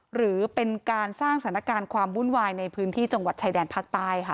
หรือเป็นการสร้างสถานการณ์ความวุ่นวายในพื้นที่จังหวัดชายแดนภาคใต้ค่ะ